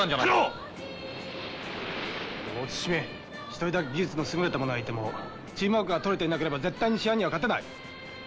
一人だけ技術の優れた者がいてもチームワークがとれていなければ絶対試合には勝てない。